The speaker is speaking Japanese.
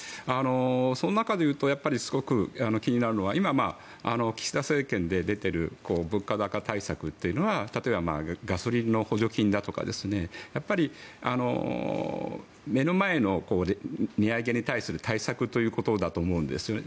その中で言うとすごく気になるのは今、岸田政権で出ている物価高対策というのは例えば、ガソリンの補助金だとかやっぱり目の前の値上げに対する対策ということだと思うんですよね。